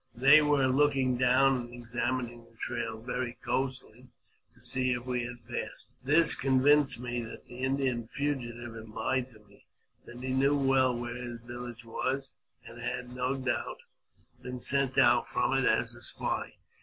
They were looking down, and examining tha trail very closely, to see if we had passed. This convinced me that the Indian fugitive had lied to me ; that he knew well where his village was, and had, no doubt, been sent out from it as a spy.